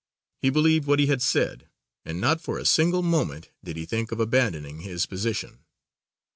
He believed what he had said, and not for a single moment did he think of abandoning his position.